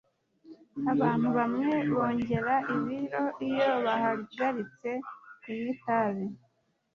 Abantu bamwe bongera ibiro iyo bahagaritse kunywa itabi